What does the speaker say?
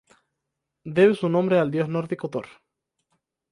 Debe su nombre al dios nórdico Thor.